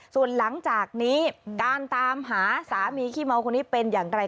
ส่วนหลังจากนี้การตามหาสามีขี้เมาคนนี้เป็นอย่างไร